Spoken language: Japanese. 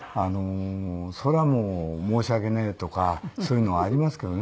そりゃもう申し訳ねえとかそういうのはありますけどね。